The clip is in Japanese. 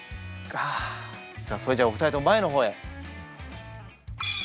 それじゃあお二人とも前の方へ。